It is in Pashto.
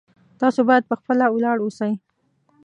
تاسو باید په خپله ولاړ اوسئ